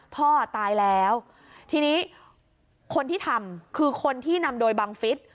พ่อตายแล้วทีนี้คนที่ทำคือคนที่นำโดยบังฟิศ